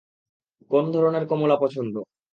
কোন ধরণের কমলা পছন্দ?